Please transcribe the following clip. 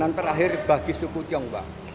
dan terakhir bagi suku tionghoa